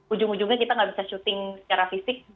ujung ujungnya kita nggak bisa syuting secara fisik